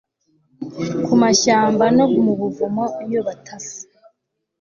Ku mashyamba no mu buvumo iyo batasi